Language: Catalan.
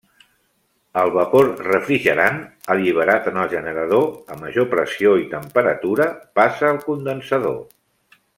El vapor refrigerant alliberat en el generador a major pressió i temperatura passa al condensador.